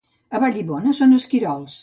A Vallibona són esquirols.